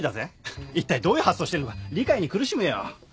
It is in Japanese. いったいどういう発想してんのか理解に苦しむよ。